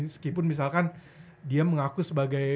meskipun misalkan dia mengaku sebagai